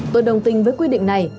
tôi đồng tình với quy định này